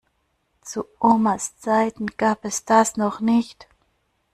Zu Omas Zeiten gab es das noch nicht.